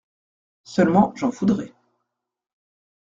Seulement, j’en voudrais…